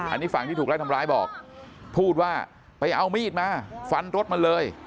อันนี้ฝั่งที่ถูกไล่ทำร้ายบอกพูดว่าไปเอามีดมาฟันรถมันเลย